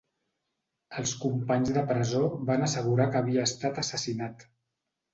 Els companys de presó van assegurar que havia estat assassinat.